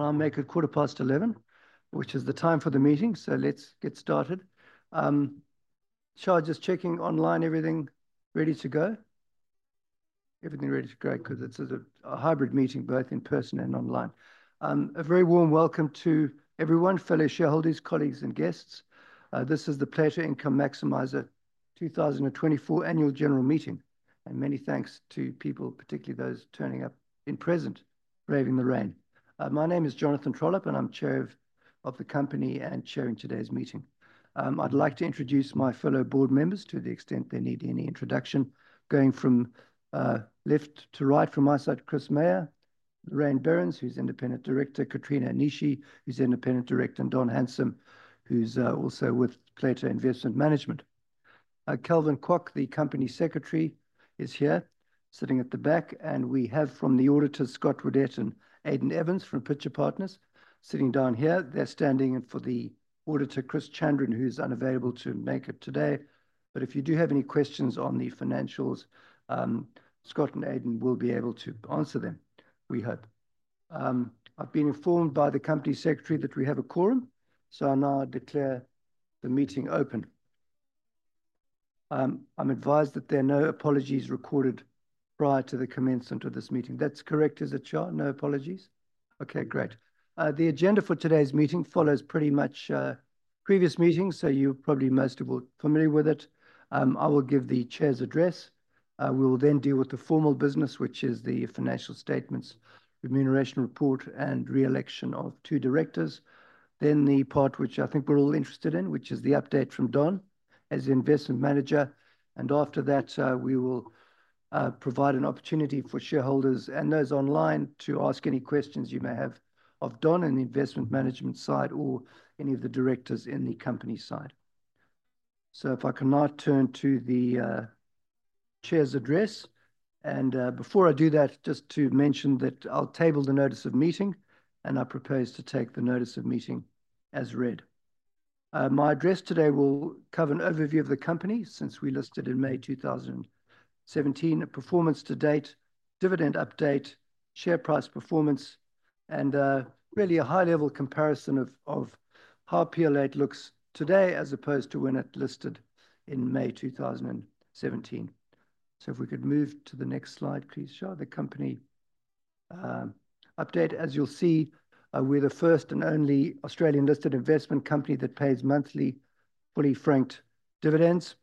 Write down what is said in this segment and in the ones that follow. I'll make it 11:15 A.M., which is the time for the meeting, so let's get started. Charles, just checking online, everything ready to go? Everything ready to go. Great, because this is a hybrid meeting, both in person and online. A very warm welcome to everyone, fellow shareholders, colleagues, and guests. This is the Plato Income Maximiser 2024 annual general meeting, and many thanks to people, particularly those turning up in person, braving the rain. My name is Jonathan Trollip, and I'm Chair of the Company and chairing today's meeting. I'd like to introduce my fellow board members to the extent they need any introduction, going from left to right from my side, Chris Meyer, Lorraine Berends, who's Independent Director, Katrina Onishi, who's Independent Director, and Don Hamson, who's also with Plato Investment Management. Calvin Kwok, the Company Secretary, is here, sitting at the back, and we have from the auditor, Scott Whiddett, Aidan Evans from Pitcher Partners, sitting down here. They're standing for the auditor, Chris Chandran, who's unavailable to make it today. But if you do have any questions on the financials, Scott and Aidan will be able to answer them, we hope. I've been informed by the Company Secretary that we have a quorum, so I now declare the meeting open. I'm advised that there are no apologies recorded prior to the commencement of this meeting. That's correct, is it, Charles? No apologies? Okay, great. The agenda for today's meeting follows pretty much previous meetings, so you're probably most of all familiar with it. I will give the Chair's address. We'll then deal with the formal business, which is the financial statements, Remuneration Report, and re-election of two directors. Then the part which I think we're all interested in, which is the update from Don as investment manager. And after that, we will provide an opportunity for shareholders and those online to ask any questions you may have of Don in the investment management side or any of the directors in the Company side. So if I can now turn to the Chair's address, and before I do that, just to mention that I'll table the Notice of Meeting, and I propose to take the Notice of Meeting as read. My address today will cover an overview of the Company since we listed in May 2017, performance to date, dividend update, share price performance, and really a high-level comparison of how PL8 looks today as opposed to when it listed in May 2017. So if we could move to the next slide, please, Charles, the Company update. As you'll see, we're the first and only Australian-listed investment company that pays monthly fully franked dividends.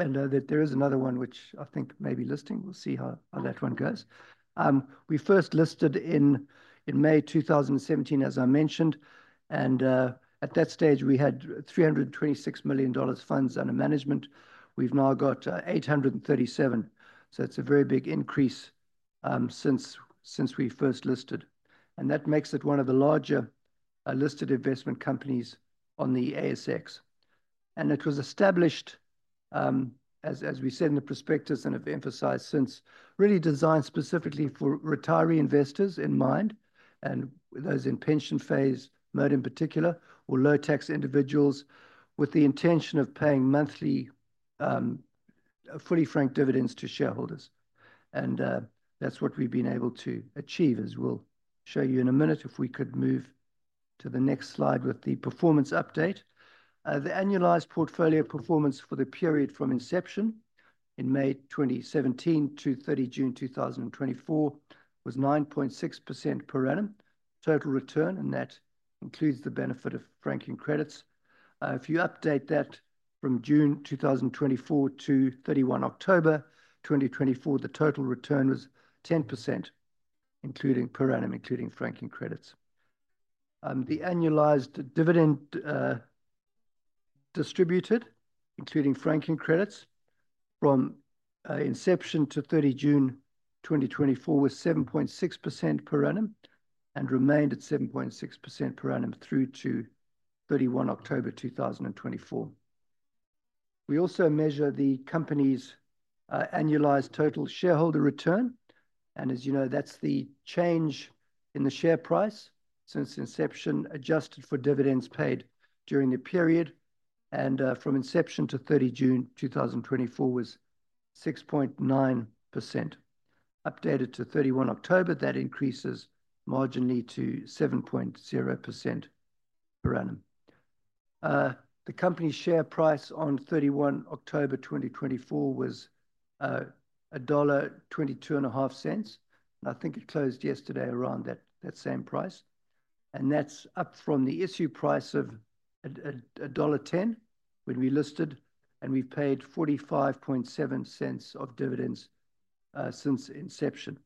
And there is another one which I think may be listing. We'll see how that one goes. We first listed in May 2017, as I mentioned, and at that stage, we had 326 million dollars funds under management. We've now got 837 million. So it's a very big increase since we first listed. And that makes it one of the larger listed investment companies on the ASX. And it was established, as we said in the prospectus and have emphasized since, really designed specifically for retiree investors in mind and those in pension phase, SMSF in particular, or low-tax individuals with the intention of paying monthly fully franked dividends to shareholders. And that's what we've been able to achieve, as we'll show you in a minute if we could move to the next slide with the performance update. The annualized portfolio performance for the period from inception in May 2017 to 30 June 2024 was 9.6% per annum total return, and that includes the benefit of franking credits. If you update that from June 2024 to 31 October 2024, the total return was 10% including per annum, including franking credits. The annualized dividend distributed, including franking credits, from inception to 30 June 2024 was 7.6% per annum and remained at 7.6% per annum through to 31 October 2024. We also measure the Company's annualized total shareholder return. And as you know, that's the change in the share price since inception adjusted for dividends paid during the period. And from inception to 30 June 2024 was 6.9%. Updated to 31 October, that increases marginally to 7.0% per annum. The Company's share price on 31 October 2024 was dollar 1.22. I think it closed yesterday around that same price. And that's up from the issue price of dollar 1.10 when we listed, and we've paid 45.7% of dividends since inception.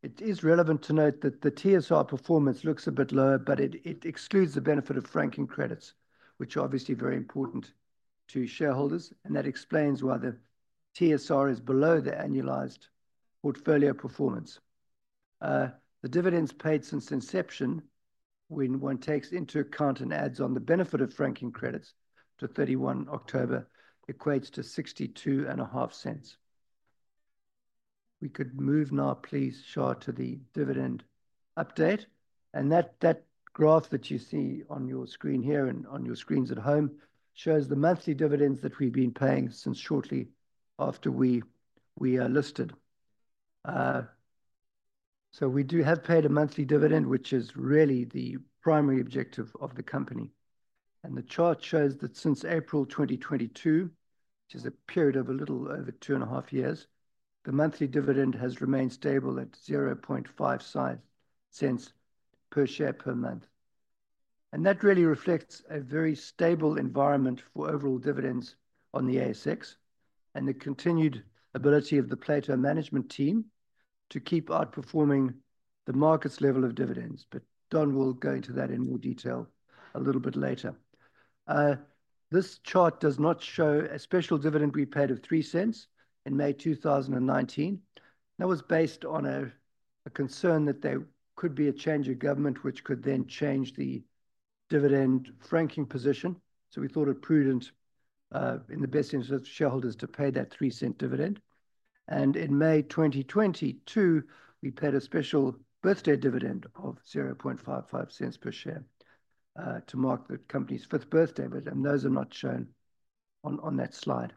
It is relevant to note that the TSR performance looks a bit lower, but it excludes the benefit of franking credits, which are obviously very important to shareholders. And that explains why the TSR is below the annualized portfolio performance. The dividends paid since inception, when one takes into account and adds on the benefit of franking credits to 31 October, equates to 62.5%. We could move now, please, Charles, to the dividend update. That graph that you see on your screen here and on your screens at home shows the monthly dividends that we've been paying since shortly after we were listed. We do have paid a monthly dividend, which is really the primary objective of the Company. The chart shows that since April 2022, which is a period of a little over two and a half years, the monthly dividend has remained stable at 0.55% per share per month. That really reflects a very stable environment for overall dividends on the ASX and the continued ability of the Plato Management Team to keep outperforming the market's level of dividends. Don will go into that in more detail a little bit later. This chart does not show a special dividend we paid of 0.03 in May 2019. That was based on a concern that there could be a change of government, which could then change the dividend franking position. So we thought it prudent in the best interest of shareholders to pay that 0.03 dividend, and in May 2022, we paid a special birthday dividend of 0.0055 per share to mark the Company's fifth birthday, but those are not shown on that slide.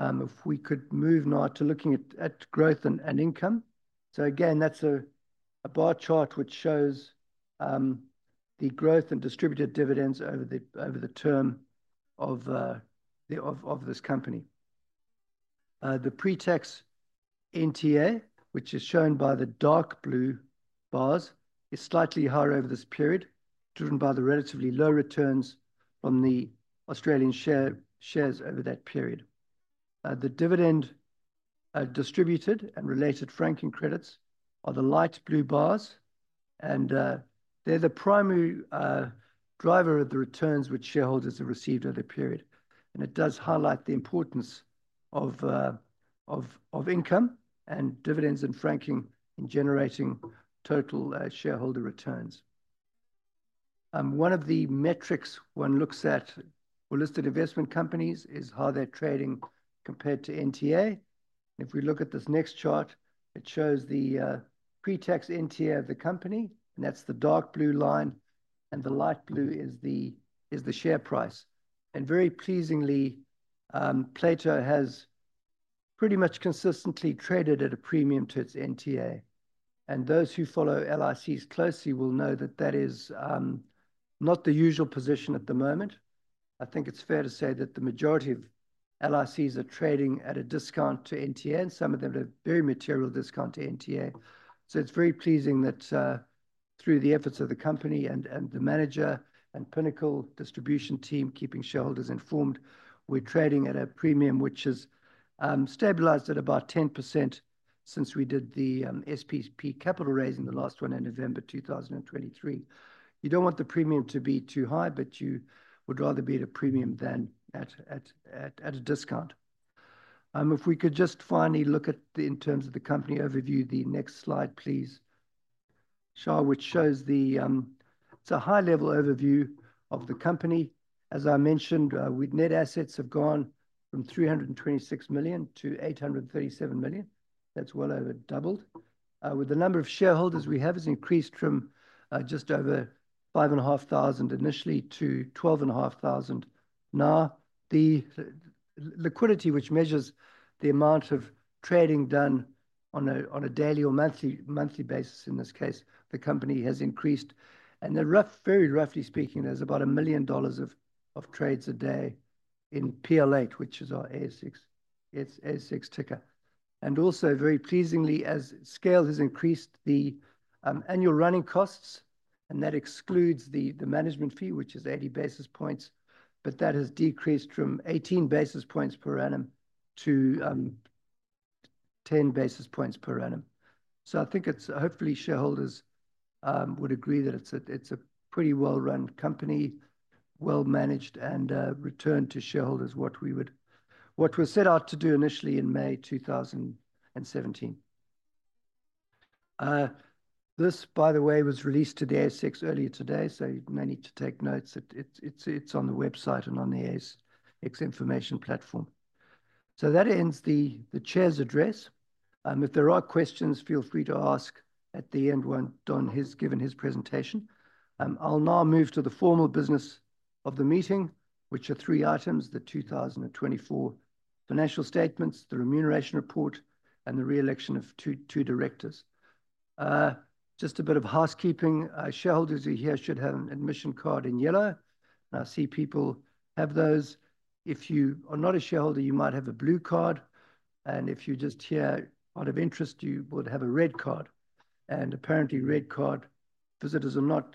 If we could move now to looking at growth and income, so again, that's a bar chart which shows the growth and distributed dividends over the term of this Company. The pre-tax NTA, which is shown by the dark blue bars, is slightly higher over this period, driven by the relatively low returns from the Australian shares over that period. The dividend distributed and related franking credits are the light blue bars, and they're the primary driver of the returns which shareholders have received over the period, and it does highlight the importance of income and dividends and franking in generating total shareholder returns. One of the metrics one looks at for listed investment companies is how they're trading compared to NTA, and if we look at this next chart, it shows the pre-tax NTA of the Company, and that's the dark blue line, and the light blue is the share price, and very pleasingly, Plato has pretty much consistently traded at a premium to its NTA. Those who follow LICs closely will know that that is not the usual position at the moment. I think it's fair to say that the majority of LICs are trading at a discount to NTA, and some of them at a very material discount to NTA. So it's very pleasing that through the efforts of the Company and the manager and Pinnacle Distribution team keeping shareholders informed, we're trading at a premium which has stabilized at about 10% since we did the SPP capital raising, the last one in November 2023. You don't want the premium to be too high, but you would rather be at a premium than at a discount. If we could just finally look at the, in terms of the Company overview, the next slide, please, Charles, which shows the, it's a high-level overview of the Company. As I mentioned, our net assets have gone from 326 million to 837 million. That's well over doubled. With the number of shareholders we have has increased from just over 5,500 initially to 12,500 now. The liquidity, which measures the amount of trading done on a daily or monthly basis in this case, the Company has increased, and very roughly speaking, there's about 1 million dollars of trades a day in PL8, which is our ASX ticker, and also, very pleasingly, as scale has increased, the annual running costs, and that excludes the management fee, which is 80 basis points, but that has decreased from 18 basis points per annum to 10 basis points per annum, so I think it's hopefully shareholders would agree that it's a pretty well-run Company, well-managed, and returned to shareholders what we were set out to do initially in May 2017. This, by the way, was released to the ASX earlier today, so you may need to take notes. It's on the website and on the ASX information platform. So that ends the Chair's address. If there are questions, feel free to ask at the end when Don has given his presentation. I'll now move to the formal business of the meeting, which are three items: the 2024 financial statements, the Remuneration Report, and the re-election of two directors. Just a bit of housekeeping. Shareholders here should have an admission card in yellow. I see people have those. If you are not a shareholder, you might have a blue card. And if you're just here out of interest, you would have a red card. And apparently, red card visitors are not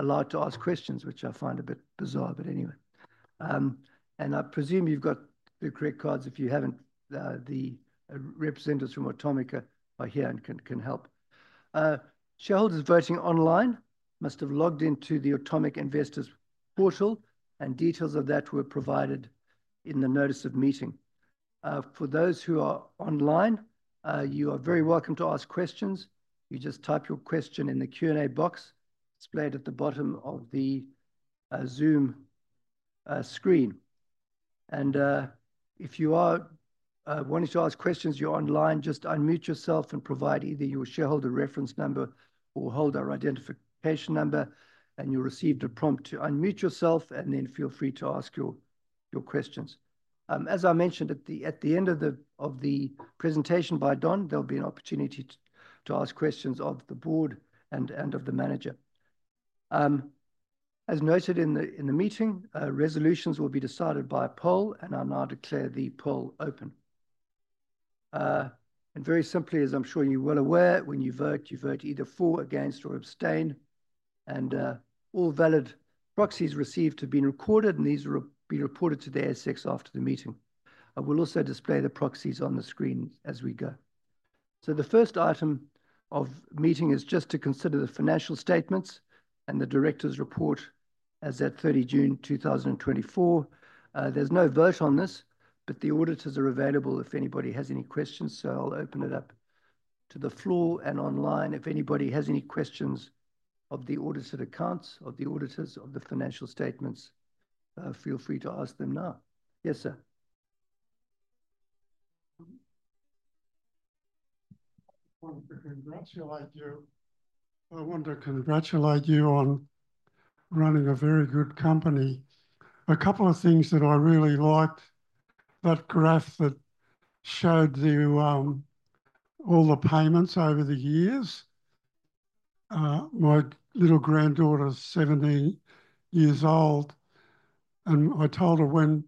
allowed to ask questions, which I find a bit bizarre, but anyway. And I presume you've got the correct cards. If you haven't, the representatives from Automic are here and can help. Shareholders voting online must have logged into the Automic Investor Portal, and details of that were provided in the notice of meeting. For those who are online, you are very welcome to ask questions. You just type your question in the Q&A box displayed at the bottom of the Zoom screen, and if you are wanting to ask questions, you're online, just unmute yourself and provide either your shareholder reference number or holder identification number, and you'll receive the prompt to unmute yourself and then feel free to ask your questions. As I mentioned, at the end of the presentation by Don, there'll be an opportunity to ask questions of the board and of the manager. As noted in the meeting, resolutions will be decided by poll, and I'll now declare the poll open. Very simply, as I'm sure you're well aware, when you vote, you vote either for, against, or abstain. All valid proxies received have been recorded, and these will be reported to the ASX after the meeting. I will also display the proxies on the screen as we go. The first item of meeting is just to consider the financial statements and the Directors' Report as at 30 June 2024. There's no vote on this, but the auditors are available if anybody has any questions. I'll open it up to the floor and online. If anybody has any questions of the audited accounts or the auditors of the financial statements, feel free to ask them now. Yes, sir. I want to congratulate you on running a very good company. A couple of things that I really liked, that graph that showed you all the payments over the years. My little granddaughter is 70 years old, and I told her when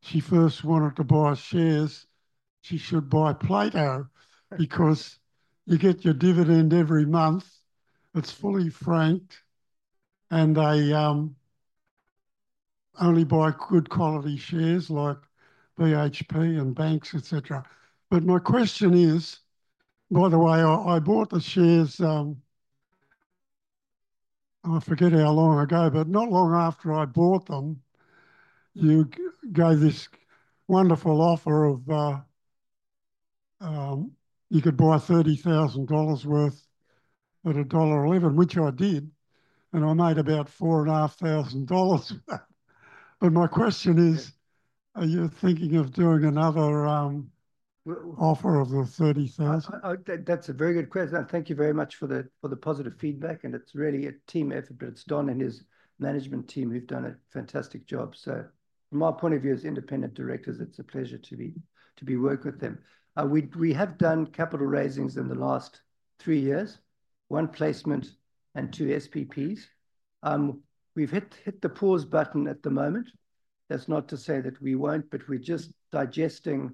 she first wanted to buy shares, she should buy Plato because you get your dividend every month. It's fully franked, and they only buy good quality shares like BHP and banks, etc. But my question is, by the way, I bought the shares I forget how long ago, but not long after I bought them, you gave this wonderful offer of you could buy 30,000 dollars worth at dollar 1.11, which I did, and I made about 4,500 dollars. But my question is, are you thinking of doing another offer of the 30,000? That's a very good question. Thank you very much for the positive feedback, and it's really a team effort, but it's Don and his management team who've done a fantastic job. So from our point of view as independent directors, it's a pleasure to work with them. We have done capital raisings in the last three years, one placement and two SPPs. We've hit the pause button at the moment. That's not to say that we won't, but we're just digesting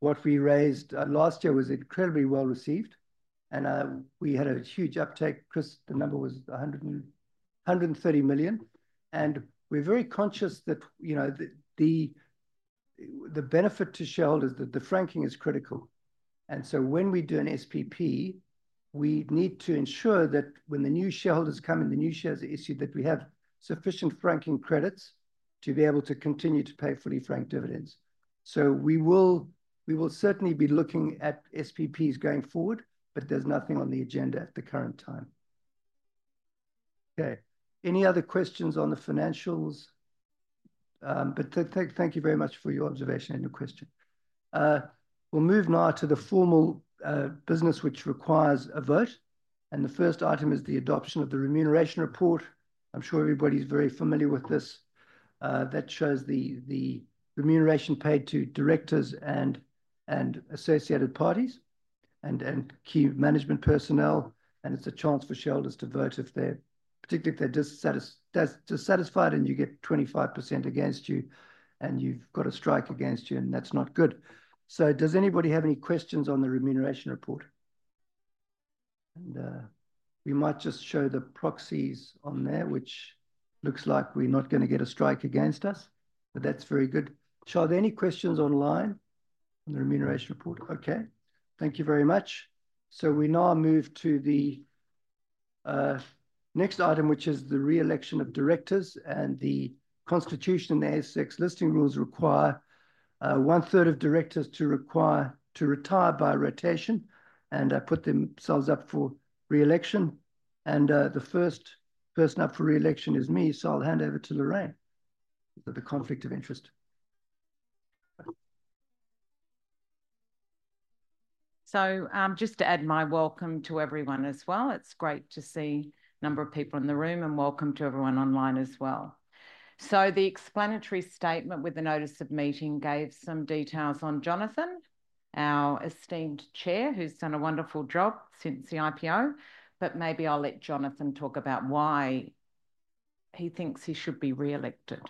what we raised. Last year was incredibly well received, and we had a huge uptake. Chris, the number was 130 million. And we're very conscious that the benefit to shareholders, that the franking is critical. And so when we do an SPP, we need to ensure that when the new shareholders come in, the new shares are issued, that we have sufficient franking credits to be able to continue to pay fully franked dividends. So we will certainly be looking at SPPs going forward, but there's nothing on the agenda at the current time. Okay. Any other questions on the financials? But thank you very much for your observation and your question. We'll move now to the formal business, which requires a vote. And the first item is the adoption of the Remuneration Report. I'm sure everybody's very familiar with this. That shows the remuneration paid to directors and associated parties and key management personnel. It's a chance for shareholders to vote if they're particularly dissatisfied and you get 25% against you and you've got a strike against you, and that's not good. Does anybody have any questions on the Remuneration Report? We might just show the proxies on there, which looks like we're not going to get a strike against us, but that's very good. Charles, any questions online on the Remuneration Report? Okay. Thank you very much. We now move to the next item, which is the re-election of directors, and the constitution and the ASX listing rules require one-third of directors to retire by rotation and put themselves up for re-election. The first person up for re-election is me, so I'll hand over to Lorraine for the conflict of interest. So just to add my welcome to everyone as well. It's great to see a number of people in the room, and welcome to everyone online as well. So the explanatory statement with the notice of meeting gave some details on Jonathan, our esteemed Chair, who's done a wonderful job since the IPO, but maybe I'll let Jonathan talk about why he thinks he should be re-elected.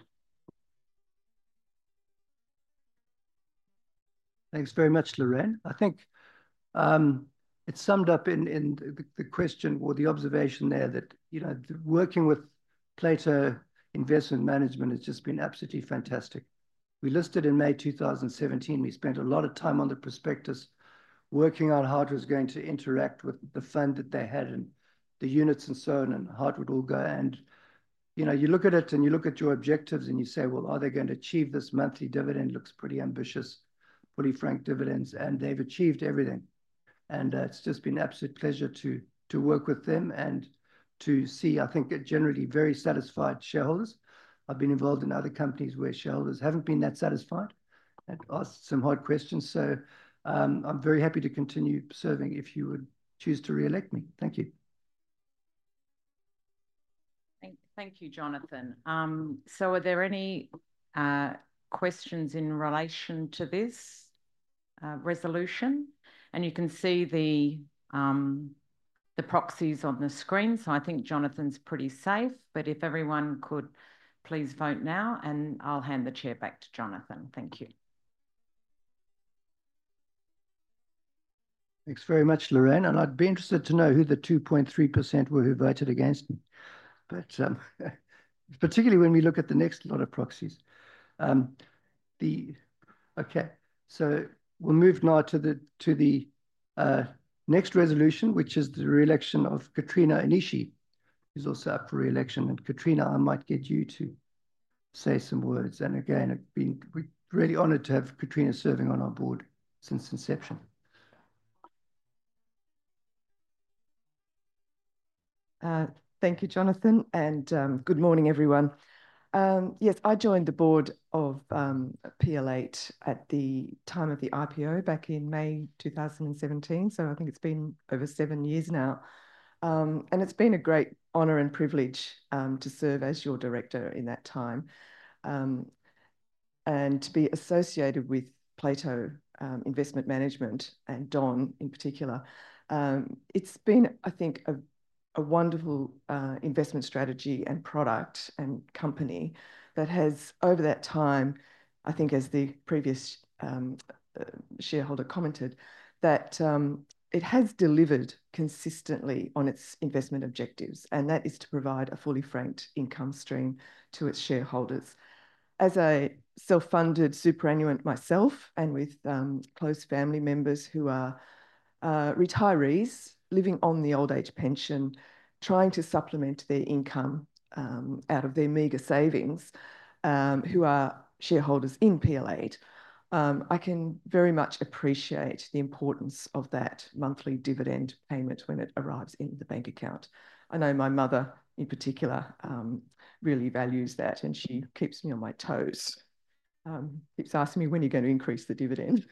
Thanks very much, Lorraine. I think it's summed up in the question or the observation there that working with Plato Investment Management has just been absolutely fantastic. We listed in May 2017. We spent a lot of time on the prospectus, working out how it was going to interact with the fund that they had and the units and so on and how it would all go. And you look at it and you look at your objectives and you say, well, are they going to achieve this monthly dividend? Looks pretty ambitious, fully franked dividends, and they've achieved everything. And it's just been an absolute pleasure to work with them and to see, I think, generally very satisfied shareholders. I've been involved in other companies where shareholders haven't been that satisfied and asked some hard questions. So I'm very happy to continue serving if you would choose to re-elect me. Thank you. Thank you, Jonathan. So are there any questions in relation to this resolution? And you can see the proxies on the screen. So I think Jonathan's pretty safe, but if everyone could please vote now, and I'll hand the chair back to Jonathan. Thank you. Thanks very much, Lorraine. And I'd be interested to know who the 2.3% were who voted against me, particularly when we look at the next lot of proxies. Okay. So we'll move now to the next resolution, which is the re-election of Katrina Onishi, who's also up for re-election. And Katrina, I might get you to say some words. And again, we're really honored to have Katrina serving on our board since inception. Thank you, Jonathan, and good morning, everyone. Yes, I joined the board of PL8 at the time of the IPO back in May 2017, so I think it's been over seven years now, and it's been a great honor and privilege to serve as your director in that time and to be associated with Plato Investment Management and Don in particular. It's been, I think, a wonderful investment strategy and product and company that has, over that time, I think, as the previous shareholder commented, that it has delivered consistently on its investment objectives, and that is to provide a fully franked income stream to its shareholders. As a self-funded superannuant myself and with close family members who are retirees living on the old age pension, trying to supplement their income out of their meager savings, who are shareholders in PL8, I can very much appreciate the importance of that monthly dividend payment when it arrives in the bank account. I know my mother in particular really values that, and she keeps me on my toes, keeps asking me when you're going to increase the dividend.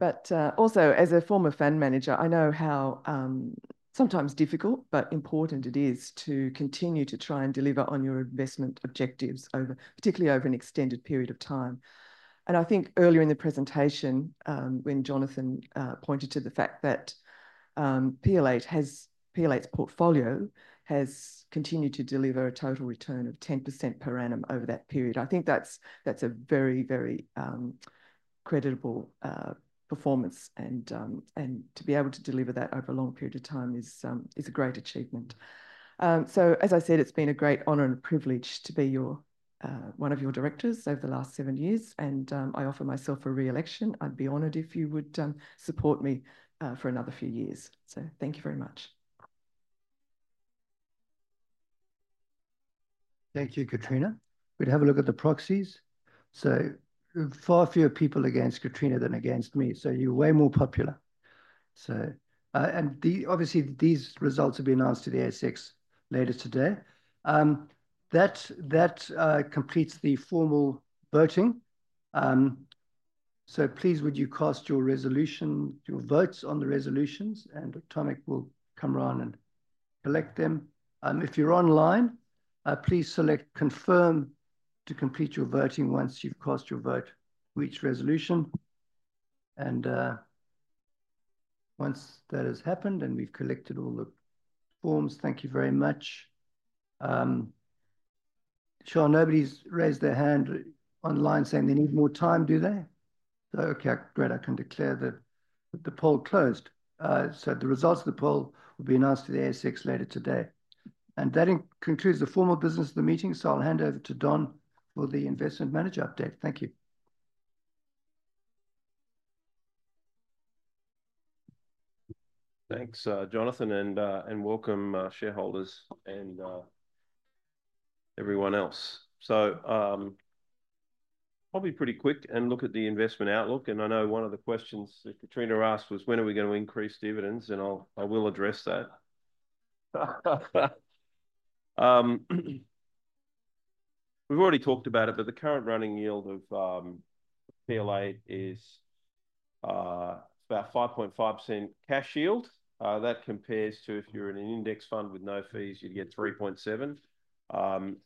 But also, as a former fund manager, I know how sometimes difficult, but important it is to continue to try and deliver on your investment objectives, particularly over an extended period of time. And I think earlier in the presentation, when Jonathan pointed to the fact that PL8's portfolio has continued to deliver a total return of 10% per annum over that period, I think that's a very, very credible performance. To be able to deliver that over a long period of time is a great achievement. So, as I said, it's been a great honor and a privilege to be one of your directors over the last seven years. And I offer myself a re-election. I'd be honored if you would support me for another few years. So thank you very much. Thank you, Katrina. We'll have a look at the proxies. So far, fewer people against Katrina than against me. So you're way more popular. And obviously, these results will be announced to the ASX later today. That completes the formal voting. So please, would you cast your resolution, your votes on the resolutions, and Automic will come around and collect them. If you're online, please select confirm to complete your voting once you've cast your vote for each resolution. And once that has happened and we've collected all the forms, thank you very much. Sure, nobody's raised their hand online saying they need more time, do they? Okay, great. I can declare that the poll closed. So the results of the poll will be announced to the ASX later today. And that concludes the formal business of the meeting. So I'll hand over to Don for the Investment Management update. Thank you. Thanks, Jonathan, and welcome shareholders and everyone else. So I'll be pretty quick and look at the investment outlook. And I know one of the questions that Katrina asked was, when are we going to increase dividends? And I will address that. We've already talked about it, but the current running yield of PL8 is about 5.5% cash yield. That compares to if you're in an index fund with no fees, you'd get 3.7%. And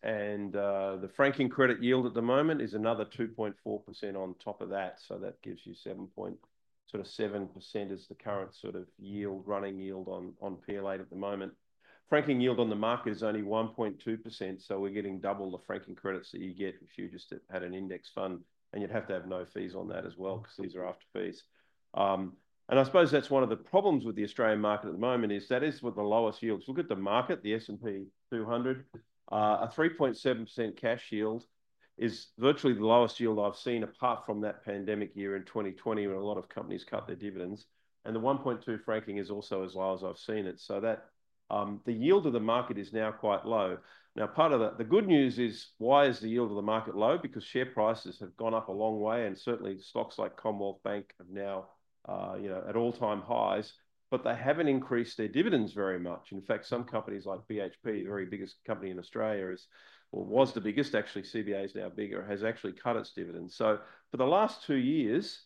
the franking credit yield at the moment is another 2.4% on top of that. So that gives you 7.7% as the current sort of running yield on PL8 at the moment. Franking yield on the market is only 1.2%. So we're getting double the franking credits that you get if you just had an index fund, and you'd have to have no fees on that as well because these are after fees. I suppose that's one of the problems with the Australian market at the moment is that it is with the lowest yields. Look at the market, the S&P/ASX 200. A 3.7% cash yield is virtually the lowest yield I've seen apart from that pandemic year in 2020 when a lot of companies cut their dividends. And the 1.2% franking is also as low as I've seen it. The yield of the market is now quite low. Part of the good news is, why is the yield of the market low? Because share prices have gone up a long way, and certainly stocks like Commonwealth Bank are now at all-time highs, but they haven't increased their dividends very much. In fact, some companies like BHP, the very biggest company in Australia, or was the biggest, actually, CBA is now bigger, has actually cut its dividends. For the last two years,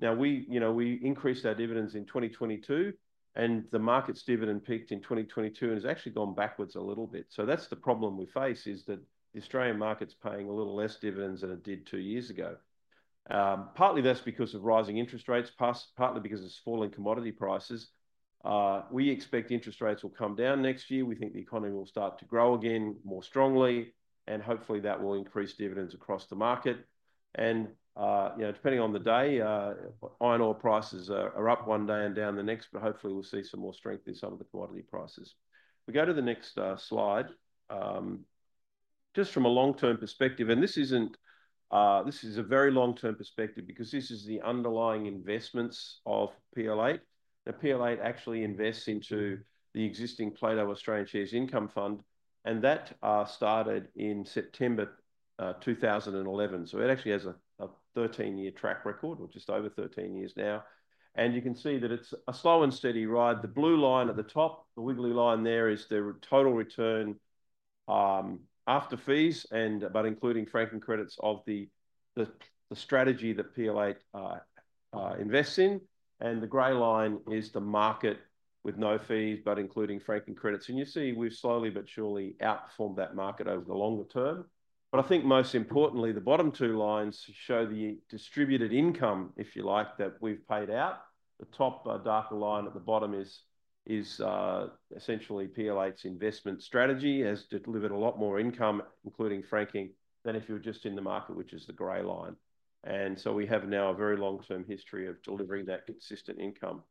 now we increased our dividends in 2022, and the market's dividend peaked in 2022 and has actually gone backwards a little bit. So that's the problem we face is that the Australian market's paying a little less dividends than it did two years ago. Partly that's because of rising interest rates, partly because of falling commodity prices. We expect interest rates will come down next year. We think the economy will start to grow again more strongly, and hopefully that will increase dividends across the market. And depending on the day, iron ore prices are up one day and down the next, but hopefully we'll see some more strength in some of the commodity prices. We go to the next slide. Just from a long-term perspective, and this is a very long-term perspective because this is the underlying investments of PL8. Now, PL8 actually invests into the existing Plato Australian Shares Income Fund, and that started in September 2011. So it actually has a 13-year track record, or just over 13 years now. And you can see that it's a slow and steady ride. The blue line at the top, the wiggly line there is the total return after fees, but including franking credits of the strategy that PL8 invests in. And the gray line is the market with no fees, but including franking credits. And you see we've slowly but surely outperformed that market over the longer term. But I think most importantly, the bottom two lines show the distributed income, if you like, that we've paid out. The top darker line at the bottom is essentially PL8's investment strategy has delivered a lot more income, including franking, than if you were just in the market, which is the gray line, and so we have now a very long-term history of delivering that consistent income.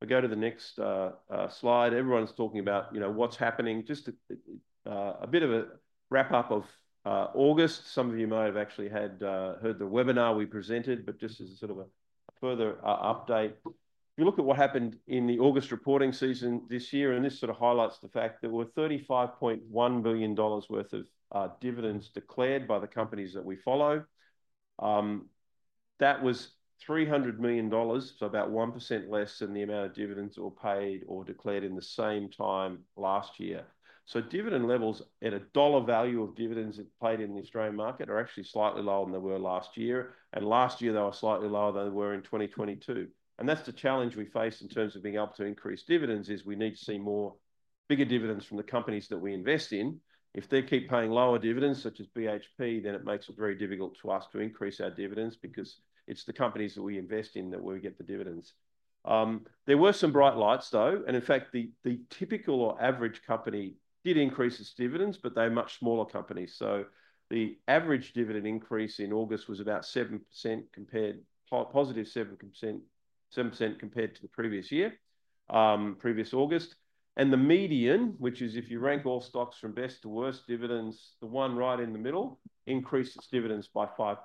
We go to the next slide. Everyone's talking about what's happening. Just a bit of a wrap-up of August. Some of you might have actually heard the webinar we presented, but just as a sort of a further update. If you look at what happened in the August reporting season this year, and this sort of highlights the fact that we're 35.1 billion dollars worth of dividends declared by the companies that we follow. That was 300 million dollars, so about 1% less than the amount of dividends that were paid or declared in the same time last year. Dividend levels at a dollar value of dividends paid in the Australian market are actually slightly lower than they were last year. Last year, they were slightly lower than they were in 2022. That's the challenge we face in terms of being able to increase dividends is we need to see bigger dividends from the companies that we invest in. If they keep paying lower dividends, such as BHP, then it makes it very difficult for us to increase our dividends because it's the companies that we invest in that we get the dividends. There were some bright lights, though. In fact, the typical or average company did increase its dividends, but they're much smaller companies. The average dividend increase in August was about 7% compared to 7% compared to the previous year, previous August. The median, which is if you rank all stocks from best to worst dividends, the one right in the middle increased its dividends by 5%,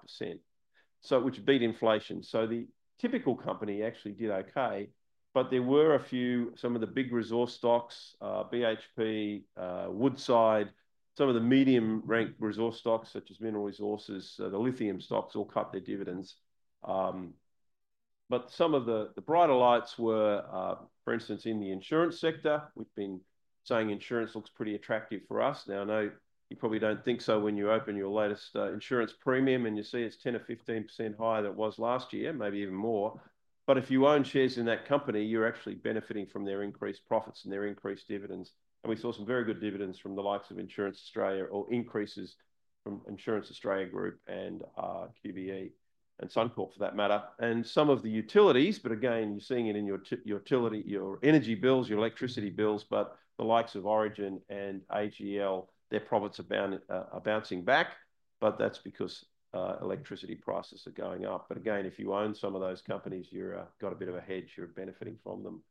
which beat inflation. So the typical company actually did okay, but there were a few, some of the big resource stocks, BHP, Woodside, some of the medium-ranked resource stocks, such as Mineral Resources, the lithium stocks all cut their dividends. But some of the brighter lights were, for instance, in the insurance sector. We've been saying insurance looks pretty attractive for us. Now, I know you probably don't think so when you open your latest insurance premium and you see it's 10% or 15% higher than it was last year, maybe even more. But if you own shares in that company, you're actually benefiting from their increased profits and their increased dividends. We saw some very good dividends from the likes of Insurance Australia or increases from Insurance Australia Group and QBE and Suncorp for that matter. Some of the utilities, but again, you're seeing it in your utility, your energy bills, your electricity bills, but the likes of Origin and AGL, their profits are bouncing back, but that's because electricity prices are going up. Again, if you own some of those companies, you've got a bit of a hedge. You're benefiting from them.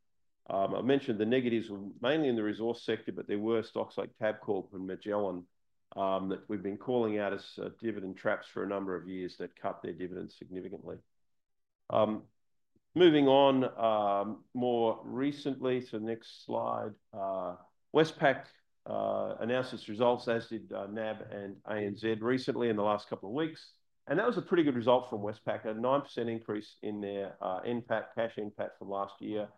I mentioned the negatives were mainly in the resource sector, but there were stocks like Tabcorp and Magellan that we've been calling out as dividend traps for a number of years that cut their dividends significantly. Moving on more recently, next slide, Westpac announced its results, as did NAB and ANZ recently in the last couple of weeks. That was a pretty good result from Westpac, a 9% increase in their cash impact from last year.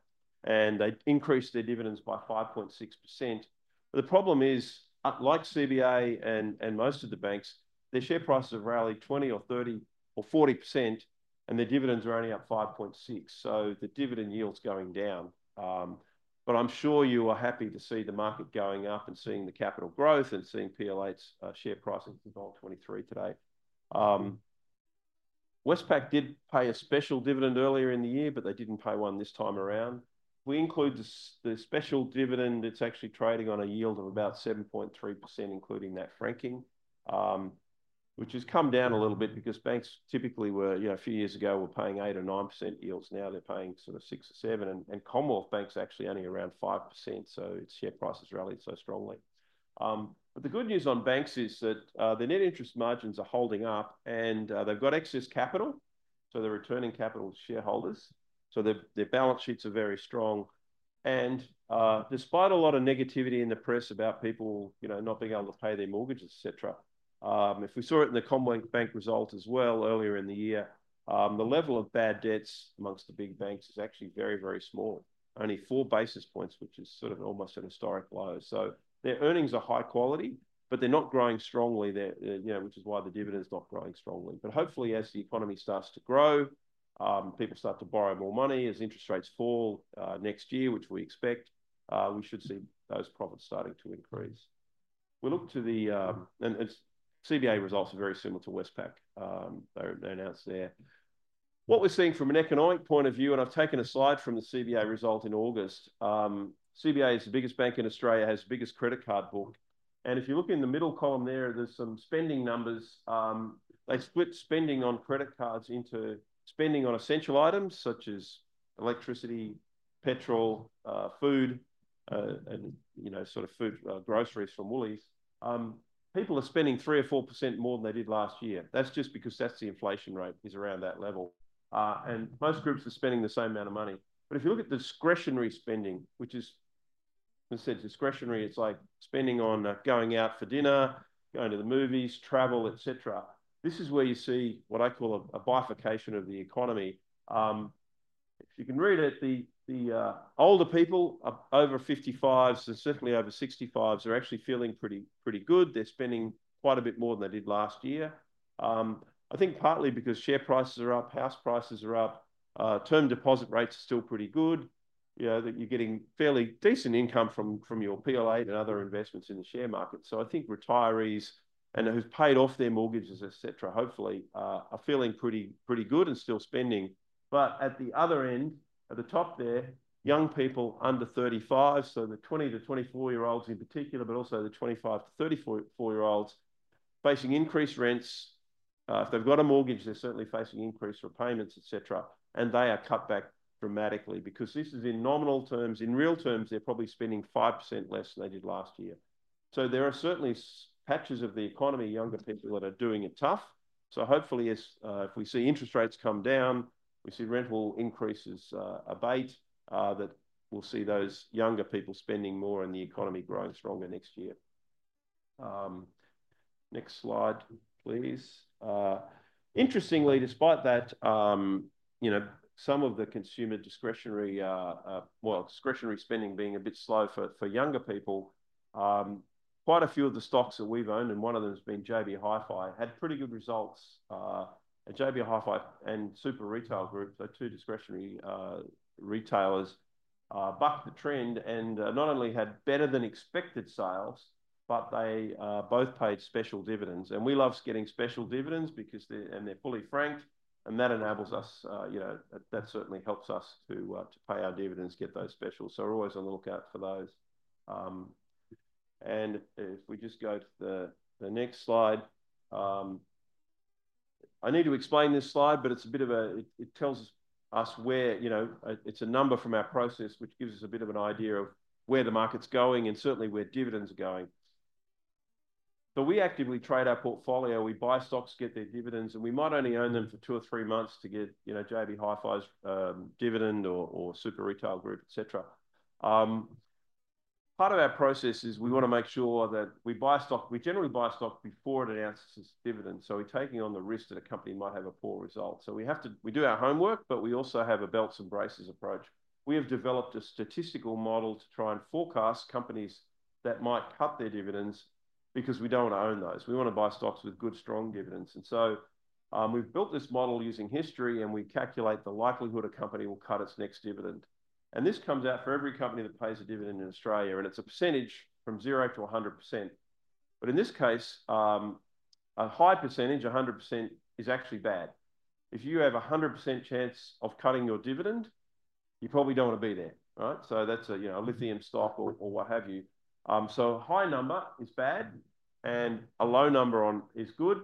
They increased their dividends by 5.6%. The problem is, like CBA and most of the banks, their share prices have rallied 20% or 30% or 40%, and their dividends are only up 5.6%. The dividend yield's going down. I'm sure you are happy to see the market going up and seeing the capital growth and seeing PL8's share prices in 2023 today. Westpac did pay a special dividend earlier in the year, but they didn't pay one this time around. We include the special dividend. It's actually trading on a yield of about 7.3%, including that franking, which has come down a little bit because banks typically were, a few years ago, were paying 8% or 9% yields. Now they're paying sort of 6% or 7%. Commonwealth Bank's actually only around 5%. So its share prices rallied so strongly. But the good news on banks is that the net interest margins are holding up, and they've got excess capital. So they're returning capital to shareholders. So their balance sheets are very strong. And despite a lot of negativity in the press about people not being able to pay their mortgages, etc., if we saw it in the Commonwealth Bank result as well earlier in the year, the level of bad debts amongst the big banks is actually very, very small, only four basis points, which is sort of almost a historic low. So their earnings are high quality, but they're not growing strongly, which is why the dividend's not growing strongly. But hopefully, as the economy starts to grow, people start to borrow more money. As interest rates fall next year, which we expect, we should see those profits starting to increase. We look to the, and CBA results are very similar to Westpac they announced there. What we're seeing from an economic point of view, and I've taken a slide from the CBA result in August. CBA is the biggest bank in Australia, has the biggest credit card book. And if you look in the middle column there, there's some spending numbers. They split spending on credit cards into spending on essential items such as electricity, petrol, food, and sort of food groceries from Woolies. People are spending 3% or 4% more than they did last year. That's just because that's the inflation rate is around that level. And most groups are spending the same amount of money. But if you look at discretionary spending, which is, as I said, discretionary, it's like spending on going out for dinner, going to the movies, travel, etc. This is where you see what I call a bifurcation of the economy. If you can read it, the older people over 55s and certainly over 65s are actually feeling pretty good. They're spending quite a bit more than they did last year. I think partly because share prices are up, house prices are up, term deposit rates are still pretty good. You're getting fairly decent income from your PL8 and other investments in the share market. So I think retirees and who've paid off their mortgages, etc., hopefully are feeling pretty good and still spending. But at the other end, at the top there, young people under 35, so the 20-24-year-olds in particular, but also the 25-34-year-olds facing increased rents. If they've got a mortgage, they're certainly facing increased repayments, etc. And they are cut back dramatically because this is in nominal terms. In real terms, they're probably spending 5% less than they did last year. So there are certainly patches of the economy, younger people that are doing it tough. So hopefully, if we see interest rates come down, we see rental increases abate, that we'll see those younger people spending more and the economy growing stronger next year. Next slide, please. Interestingly, despite that, some of the consumer discretionary, well, discretionary spending being a bit slow for younger people, quite a few of the stocks that we've owned, and one of them has been JB Hi-Fi, had pretty good results. And JB Hi-Fi and Super Retail Group, they're two discretionary retailers, bucked the trend and not only had better than expected sales, but they both paid special dividends. And we love getting special dividends because they're fully franked, and that enables us, that certainly helps us to pay our dividends, get those specials. So we're always on the lookout for those. And if we just go to the next slide, I need to explain this slide, but it's a bit of a, it tells us where, it's a number from our process which gives us a bit of an idea of where the market's going and certainly where dividends are going. So we actively trade our portfolio. We buy stocks, get their dividends, and we might only own them for two or three months to get JB Hi-Fi's dividend or Super Retail Group, etc. Part of our process is we want to make sure that we buy stock. We generally buy stock before it announces its dividends. So we're taking on the risk that a company might have a poor result. So we do our homework, but we also have a belts and braces approach. We have developed a statistical model to try and forecast companies that might cut their dividends because we don't want to own those. We want to buy stocks with good, strong dividends, and so we've built this model using history, and we calculate the likelihood a company will cut its next dividend. And this comes out for every company that pays a dividend in Australia, and it's a percentage from 0% to 100%. But in this case, a high percentage, 100%, is actually bad. If you have a 100% chance of cutting your dividend, you probably don't want to be there. So that's a lithium stock or what have you. So a high number is bad, and a low number is good.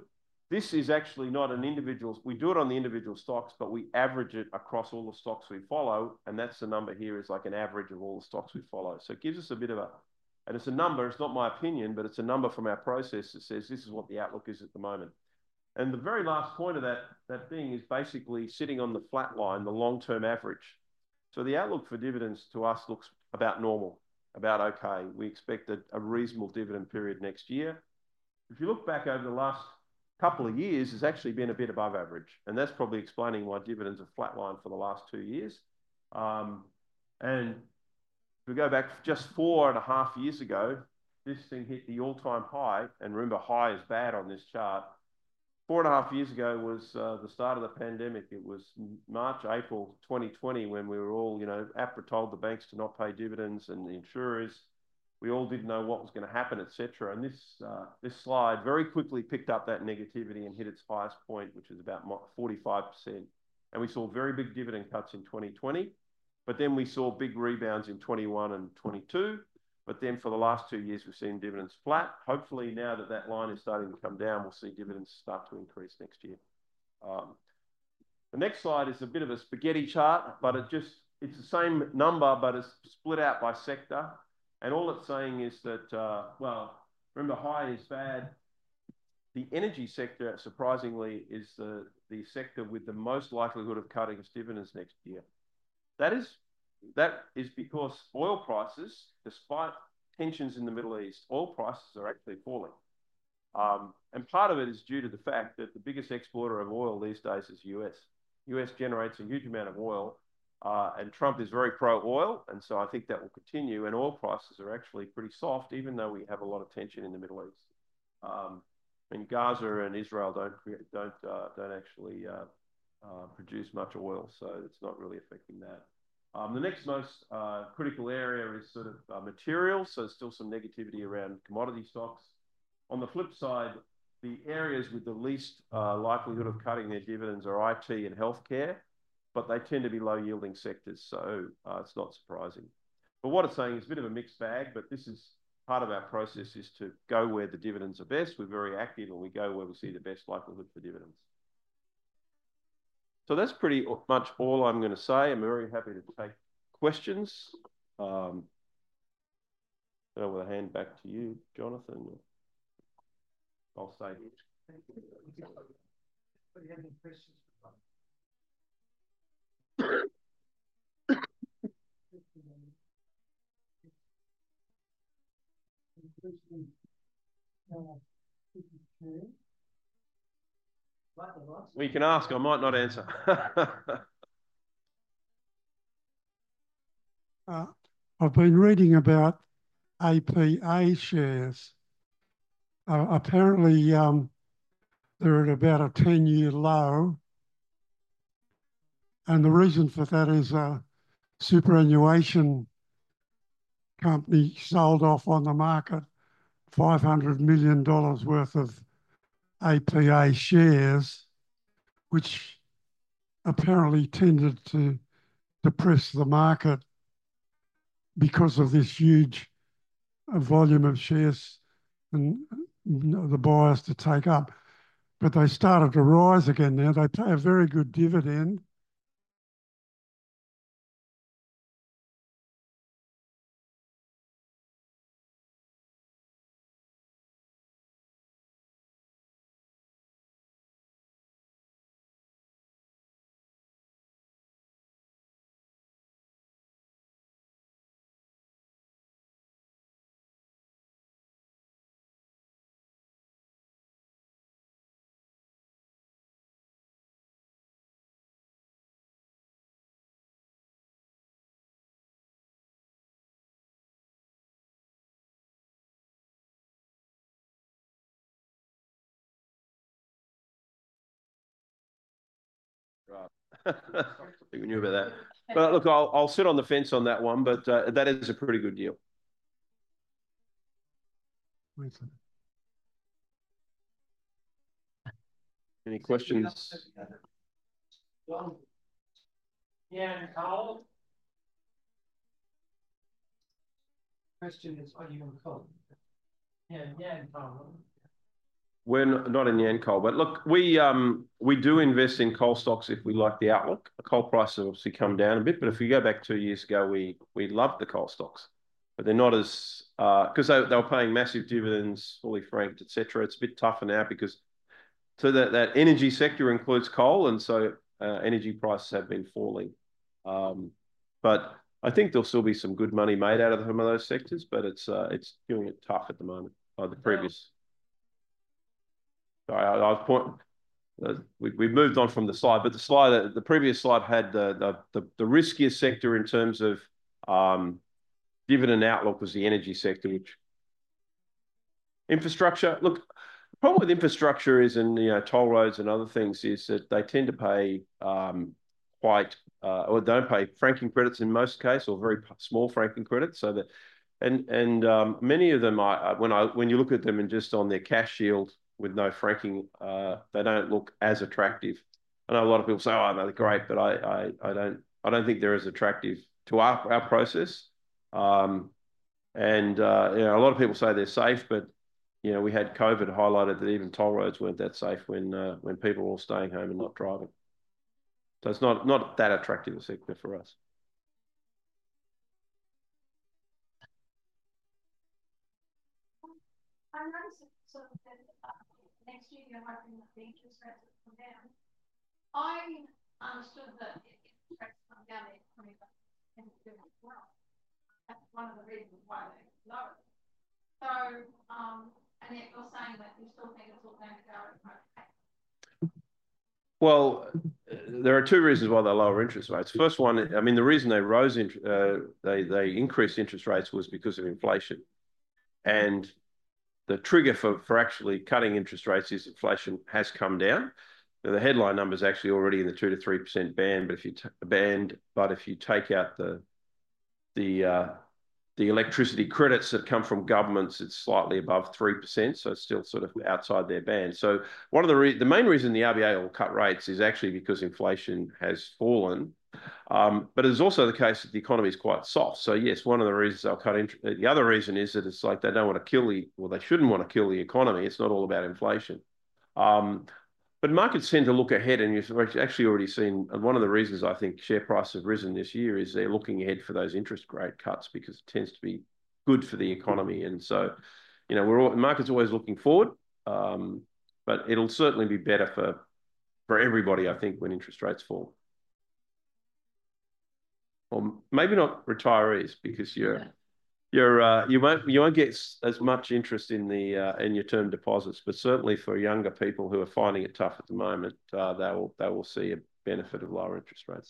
This is actually not an individual, we do it on the individual stocks, but we average it across all the stocks we follow, and that's the number here is like an average of all the stocks we follow. So it gives us a bit of a, and it's a number, it's not my opinion, but it's a number from our process that says this is what the outlook is at the moment. The very last point of that thing is basically sitting on the flat line, the long-term average. So the outlook for dividends to us looks about normal, about okay. We expect a reasonable dividend period next year. If you look back over the last couple of years, it's actually been a bit above average, and that's probably explaining why dividends are flatlined for the last two years. If we go back just four and a half years ago, this thing hit the all-time high, and remember, high is bad on this chart. Four and a half years ago was the start of the pandemic. It was March, April 2020 when we were all pressured to banks to not pay dividends and the insurers. We all didn't know what was going to happen, etc. And this slide very quickly picked up that negativity and hit its highest point, which was about 45%. And we saw very big dividend cuts in 2020, but then we saw big rebounds in 2021 and 2022. But then for the last two years, we've seen dividends flat. Hopefully, now that that line is starting to come down, we'll see dividends start to increase next year. The next slide is a bit of a spaghetti chart, but it's the same number, but it's split out by sector. And all it's saying is that, well, remember, high is bad. The energy sector, surprisingly, is the sector with the most likelihood of cutting its dividends next year. That is because oil prices, despite tensions in the Middle East, oil prices are actually falling. Part of it is due to the fact that the biggest exporter of oil these days is the U.S. The U.S. generates a huge amount of oil, and Trump is very pro-oil, and so I think that will continue. Oil prices are actually pretty soft, even though we have a lot of tension in the Middle East. I mean, Gaza and Israel don't actually produce much oil, so it's not really affecting that. The next most critical area is sort of materials, so there's still some negativity around commodity stocks. On the flip side, the areas with the least likelihood of cutting their dividends are IT and healthcare, but they tend to be low-yielding sectors, so it's not surprising. But what it's saying is a bit of a mixed bag, but this is part of our process is to go where the dividends are best. We're very active, and we go where we see the best likelihood for dividends. So that's pretty much all I'm going to say. I'm very happy to take questions. I'll hand back to you, Jonathan. I'll stay here. We can ask. I might not answer. I've been reading about APA shares. Apparently, they're at about a 10-year low, and the reason for that is a superannuation company sold off on the market 500 million dollars worth of APA shares, which apparently tended to depress the market because of this huge volume of shares and the bias to take up. But they started to rise again now. They pay a very good dividend. We knew about that. But look, I'll sit on the fence on that one, but that is a pretty good deal. Any questions? Yancoal. Question is, are in Yancoal? Yancoal. We're not in Yancoal, but look, we do invest in coal stocks if we like the outlook. The coal prices have obviously come down a bit, but if you go back two years ago, we loved the coal stocks. But they're not as, because they were paying massive dividends, fully franked, etc. It's a bit tougher now because that energy sector includes coal, and so energy prices have been falling. But I think there'll still be some good money made out of some of those sectors, but it's doing it tough at the moment. The previous, sorry, I was pointing. We've moved on from the slide, but the slide, the previous slide had the riskier sector in terms of dividend outlook was the energy sector, which infrastructure, look, the problem with infrastructure is in toll roads and other things is that they tend to pay quite, or don't pay franking credits in most cases, or very small franking credits. So that, and many of them, when you look at them and just on their cash yield with no franking, they don't look as attractive. I know a lot of people say, "Oh, they're great," but I don't think they're as attractive to our process. And a lot of people say they're safe, but we had COVID highlighted that even toll roads weren't that safe when people were all staying home and not driving. So it's not that attractive a sector for us. I noticed sort of that next year you're hoping that the interest rates will come down. I understood that interest rates come down, they're coming back and doing it well. That's one of the reasons why they're lower. And yet you're saying that you still think it's all going to go okay. Well, there are two reasons why they're lower interest rates. First one, I mean, the reason they rose, they increased interest rates was because of inflation. And the trigger for actually cutting interest rates is inflation has come down. The headline number is actually already in the 2%-3% band, but if you take out the electricity credits that come from governments, it's slightly above 3%, so it's still sort of outside their band. So one of the main reasons the RBA will cut rates is actually because inflation has fallen, but it's also the case that the economy is quite soft. So yes, one of the reasons they'll cut interest, the other reason is that it's like they don't want to kill the, or they shouldn't want to kill the economy. It's not all about inflation. But markets tend to look ahead, and we've actually already seen, and one of the reasons I think share prices have risen this year is they're looking ahead for those interest rate cuts because it tends to be good for the economy. And so markets are always looking forward, but it'll certainly be better for everybody, I think, when interest rates fall. Or maybe not retirees because you won't get as much interest in your term deposits, but certainly for younger people who are finding it tough at the moment, they will see a benefit of lower interest rates.